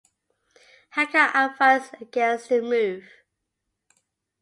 Hancock advised against the move.